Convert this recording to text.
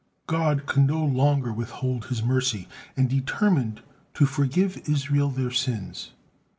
God could no longer withhold His mercy, and determined to forgive Israel their sins.